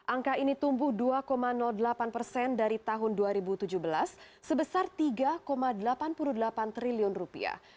angka ini tumbuh dua delapan persen dari tahun dua ribu tujuh belas sebesar tiga delapan puluh delapan triliun rupiah